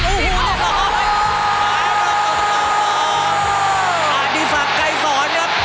โอ้โฮอันนี้ฝากไก่ศรครับ